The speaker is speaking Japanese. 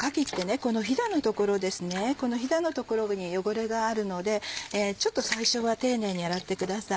このひだの所に汚れがあるので最初は丁寧に洗ってください。